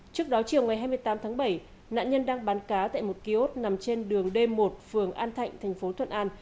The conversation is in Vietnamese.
trước đó chiều ngày hai mươi tám tháng bảy nạn nhân đang bán cá tại một kiosk nằm trên đường d một phường an thạnh thành phố thuận an